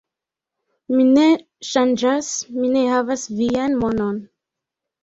Mi ne ŝanĝas, mi ne havas vian monon